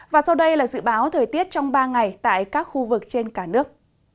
và sau đây là dự báo thời tiết trong ba ngày tại các khu vực trên cả nước